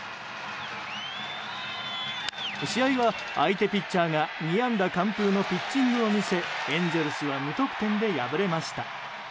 試合は相手ピッチャーが２安打完封のピッチングを見せエンゼルスは無得点で敗れました。